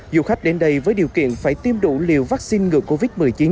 du khách đến đây với điều kiện phải tiêm đủ liều vaccine ngừa covid một mươi chín